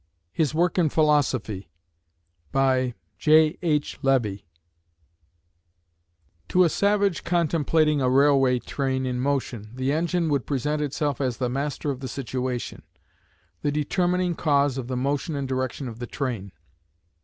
HIS WORK IN PHILOSOPHY To a savage contemplating a railway train in motion, the engine would present itself as the master of the situation, the determining cause of the motion and direction of the train.